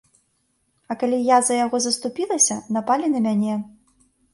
А калі я за яго заступілася, напалі на мяне.